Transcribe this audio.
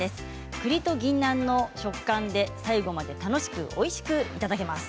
くりとぎんなんの食感で最後まで楽しくおいしくいただけます。